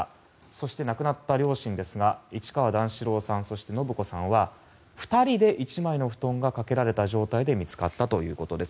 そして亡くなった両親ですが市川段四郎さんそして延子さんは２人で１枚の布団がかけられた状態で見つかったということです。